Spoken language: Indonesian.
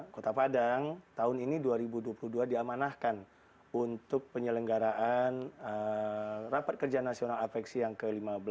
kota padang tahun ini dua ribu dua puluh dua diamanahkan untuk penyelenggaraan rapat kerja nasional apeksi yang ke lima belas